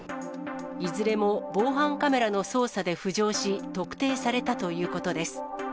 いずれも防犯カメラの捜査で浮上し、特定されたということです。